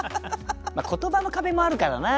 言葉の壁もあるからな。